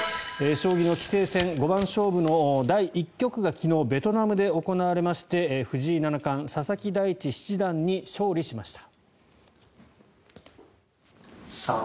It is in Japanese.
将棋の棋聖戦五番勝負の第１局が昨日、ベトナムで行われまして藤井七冠、佐々木大地七段に勝利しました。